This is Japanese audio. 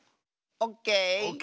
オッケー！